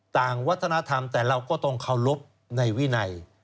ต่างวัฒนธรรมแต่เราก็ต้องเคารพในวินัย